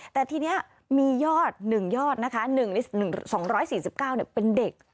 แต่ทีนี้มียอด๑ยอดนะคะ๒๔๙เป็นเด็ก